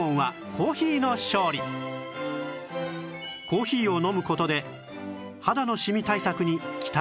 コーヒーを飲む事で肌のシミ対策に期待ができる